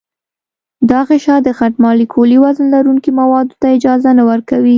دا غشا د غټ مالیکولي وزن لرونکو موادو ته اجازه نه ورکوي.